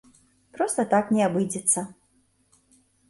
Проста так не абыдзецца.